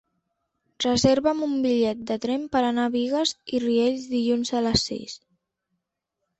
Reserva'm un bitllet de tren per anar a Bigues i Riells dilluns a les sis.